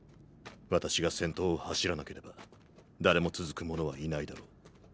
私が先頭を走らなければ誰も続く者はいないだろう。